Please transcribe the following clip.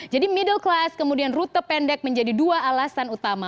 jadi middle class kemudian rute pendek menjadi dua alasan utama